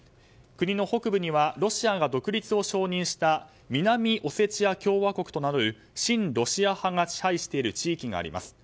国の北部にはロシアが独立を承認した南オセチア共和国と名乗る親ロシア派が支配している地域があります。